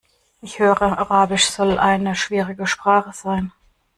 Ich hörte, Arabisch soll eine schwierige Sprache sein.